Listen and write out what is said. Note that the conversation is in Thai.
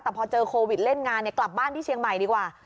แต่พอเจอโควิดเล่นงานกลับบ้านที่เชียงใหม่ดีกว่า